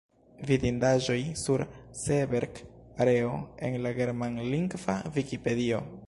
Vidindaĵoj sur Seeberg-areo en la germanlingva Vikipedio.